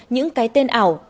những cái tên ảo